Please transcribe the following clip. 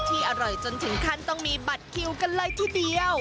อร่อยจนถึงขั้นต้องมีบัตรคิวกันเลยทีเดียว